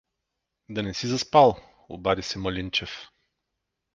— Да не е заспал? — обади се Малинчев.